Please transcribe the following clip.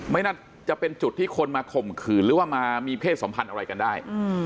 ไม่น่าจะเป็นจุดที่คนมาข่มขืนหรือว่ามามีเพศสัมพันธ์อะไรกันได้